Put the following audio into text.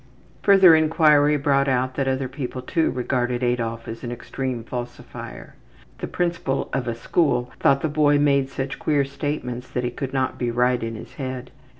Further inquiry brought out that other people, too, regarded Adolf as an extreme falsifier. The principal of a school thought the boy made such queer statements that he could not be right in his head.